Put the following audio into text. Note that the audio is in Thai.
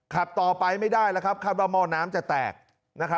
ขับต่อไปไม่ได้แล้วครับคาดว่าหม้อน้ำจะแตก